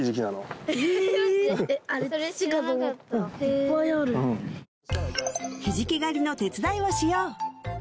いっぱいあるひじき狩りの手伝いをしよう！